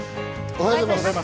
おはようございます。